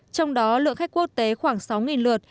trong đó lượng khách quốc tế khoảng sáu lượt